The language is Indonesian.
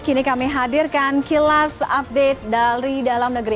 kini kami hadirkan kilas update dari dalam negeri